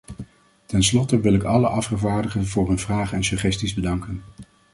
Ten slotte wil ik alle afgevaardigden voor hun vragen en suggesties bedanken.